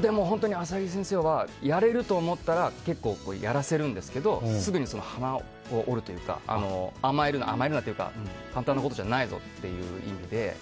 でも、浅利先生はやれると思ったら結構やらせるんですけどすぐに鼻を折るというか甘えるなというか簡単なことじゃないぞという意味で。